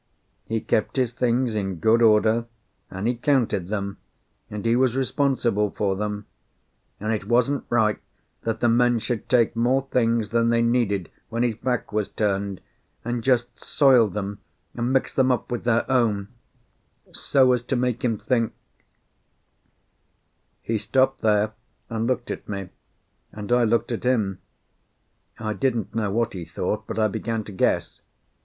He kept his things in good order, and he counted them, and he was responsible for them, and it wasn't right that the men should take more things than they needed when his back was turned, and just soil them and mix them up with their own, so as to make him think He stopped there, and looked at me, and I looked at him. I didn't know what he thought, but I began to guess.